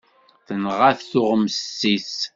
Tenɣa-t tuɣmest-is.